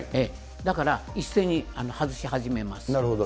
だから一斉に外し始なるほど。